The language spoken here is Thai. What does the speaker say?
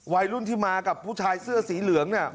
วัยรุ่นที่มากับผู้ชายเสื้อสีเหลืองเนี่ย